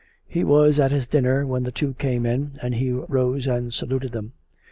He was at his dinner when the two came in, and he rose and saluted them.